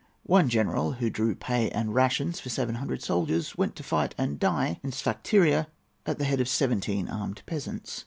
One general who drew pay and rations for seven hundred soldiers went to fight and die at Sphakteria at the head of seventeen armed peasants.